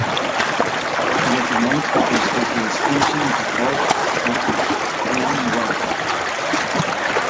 It was demolished because of the extension of the Port of Antwerp.